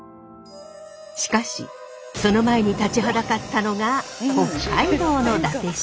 しかしその前に立ちはだかったのが北海道の伊達市。